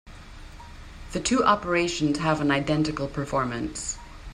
The two operations have an identical performance.